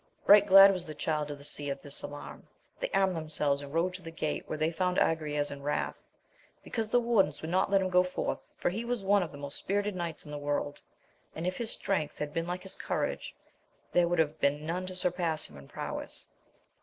Eight glad was the Child of the Sea at this alarm : they armed themselves and rode to the gate, where they, found Agrayes in wrath, because the wardens would not let him go forth, for he was one of the most spirited knights in the world, and if his strength had been like his courage, there would have been none to surpass him in prowess.